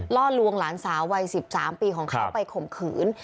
ล่อลวงหลานสาววัย๑๓ปีของเขาไปข่มขืน